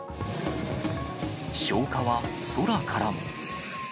消火は空からも。